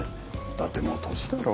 だってもう年だろ？